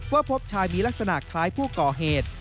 พบชายมีลักษณะคล้ายผู้ก่อเหตุ